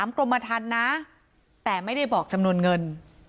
กรมทันนะแต่ไม่ได้บอกจำนวนเงิน